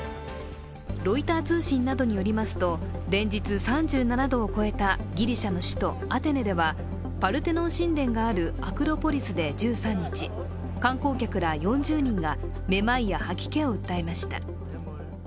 ロイター通信などによりますと連日３７度を越えたギリシャの首都アテネではパルテノン神殿があるアクロポリスで１３日、観光客ら４０人がめまいや吐き気を訴えました。